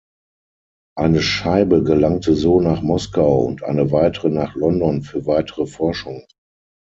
Eine Scheibe gelangte so nach Moskau und eine weitere nach London für weitere Forschungen.